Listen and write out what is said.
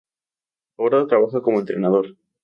Ahora trabaja como entrenador.